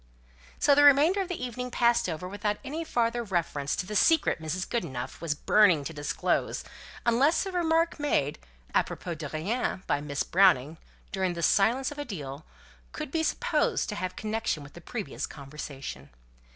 So the remainder of the evening passed over without any further reference to the secret Mrs. Goodenough was burning to disclose, unless a remark made łpropos de rien by Miss Browning, during the silence of a deal, could be supposed to have connection with the previous conversation.